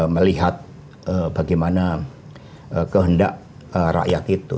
melihat bagaimana kehendak rakyat itu